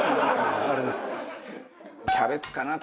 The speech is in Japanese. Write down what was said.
キャベツかな。